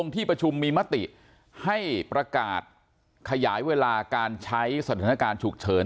ที่ประชุมมีมติให้ประกาศขยายเวลาการใช้สถานการณ์ฉุกเฉิน